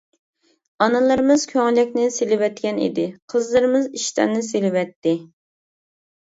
ئانىلىرىمىز كۆڭلەكنى سېلىۋەتكەن ئىدى، قىزلىرىمىز ئىشتاننى سېلىۋەتتى.